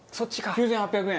９８００円。